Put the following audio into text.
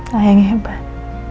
ayah yang hebat